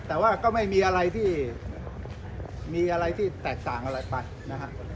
แต่ว่าก็ไม่มีอะไรที่มีอะไรที่แตกต่างอะไรไปนะฮะ